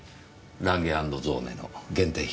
ランゲ＆ゾーネの限定品ですね。